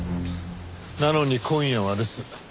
なのに今夜は留守。